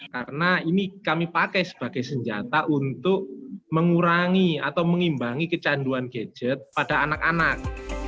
karena ini kami pakai sebagai senjata untuk mengurangi atau mengimbangi kecanduan gadget pada anak anak